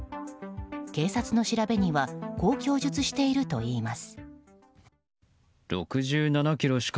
警察の調べにはこう供述しているといいます。